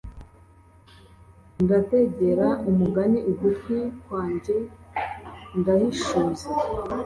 Ndategera umugani ugutwi kwanjye Ndahishuza